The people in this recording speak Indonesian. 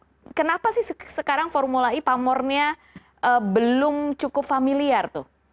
mas sohab tapi kenapa sih sekarang formulanya pamornya belum cukup familiar